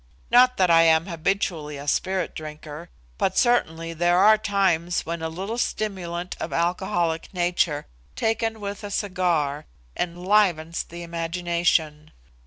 Not that I am habitually a spirit drinker, but certainly there are times when a little stimulant of alcoholic nature, taken with a cigar, enlivens the imagination.